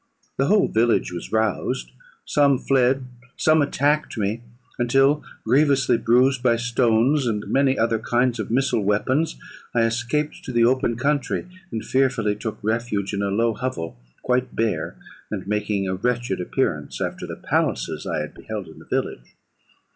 The whole village was roused; some fled, some attacked me, until, grievously bruised by stones and many other kinds of missile weapons, I escaped to the open country, and fearfully took refuge in a low hovel, quite bare, and making a wretched appearance after the palaces I had beheld in the village.